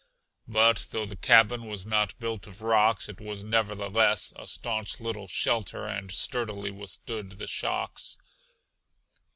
But though the cabin was not built of rocks, it was nevertheless a staunch little shelter and sturdily withstood the shocks.